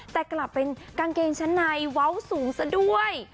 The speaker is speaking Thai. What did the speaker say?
แต่กลับเป็นกางเกงชั้นในเว้าสูงซะด้วย